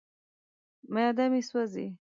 معده مې سوځي.